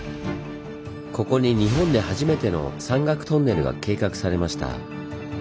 ここに日本で初めての山岳トンネルが計画されました。